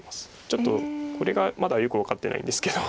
ちょっとこれがまだよく分かってないんですけど。